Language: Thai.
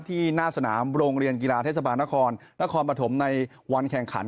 หน้าสนามโรงเรียนกีฬาเทศบาลนครนครปฐมในวันแข่งขัน